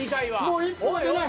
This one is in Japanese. もう１歩が出ない。